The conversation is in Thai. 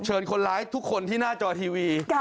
คนร้ายทุกคนที่หน้าจอทีวี